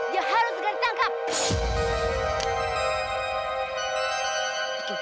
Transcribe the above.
dia harus digantungkan